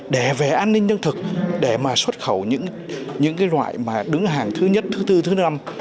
để vẽ an ninh nhân thực để mà xuất khẩu những loại đứng hàng thứ nhất thứ tư thứ năm